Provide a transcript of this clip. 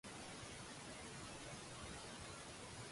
你有冇佈置聖誕樹嘅習慣？